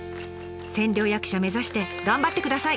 千両役者目指して頑張ってください！